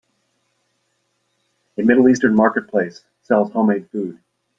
A middle eastern marketplace sells homemade food